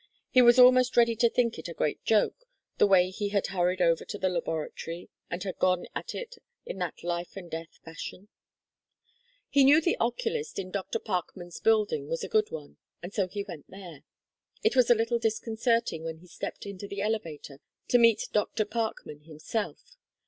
He was almost ready to think it a great joke, the way he had hurried over to the laboratory and had gone at it in that life and death fashion. He knew that the oculist in Dr. Parkman's building was a good one, and so he went there. It was a little disconcerting when he stepped into the elevator to meet Dr. Parkman himself.